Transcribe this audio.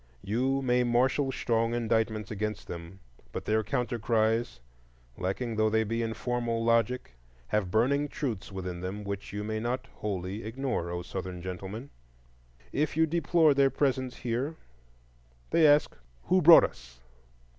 You may marshal strong indictments against them, but their counter cries, lacking though they be in formal logic, have burning truths within them which you may not wholly ignore, O Southern Gentlemen! If you deplore their presence here, they ask, Who brought us?